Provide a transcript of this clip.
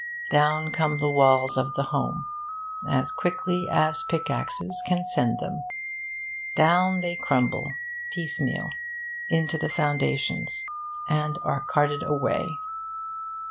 Down come the walls of the home, as quickly as pickaxes can send them. Down they crumble, piecemeal, into the foundations, and are carted away.